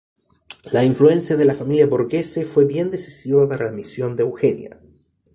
La influencia de la familia Borghese fue bien decisiva para la misión de Eugenia.